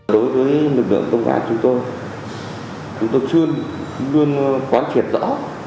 đối với lực lượng công an chúng tôi chúng tôi chưa luôn khoán triệt rõ